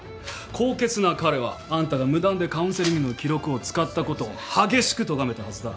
高潔な彼はあんたが無断でカウンセリングの記録を使ったことを激しくとがめたはずだ。